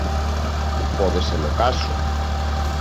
Pode ser o caso.